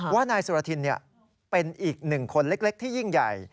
ว่านายสุรทินเป็นอีกหนึ่งคนเล็กที่ยิ่งใหญ่